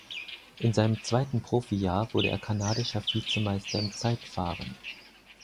In seinem zweiten Profijahr wurde er kanadischer Vizemeister im Zeitfahren.